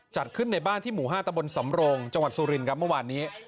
จัดขึ้นในบ้านที่หมู่๕ตะบนสำโรงจังหวัดสุรินครับเมื่อวานนี้